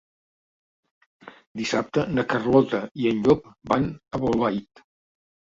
Dissabte na Carlota i en Llop van a Bolbait.